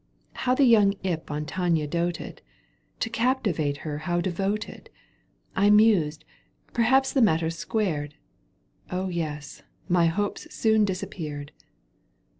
How the young imp on Tania doted ! To captivate her how devoted ! I mused : perhaps the matter's squared — yes ! my hopes soon disappeared."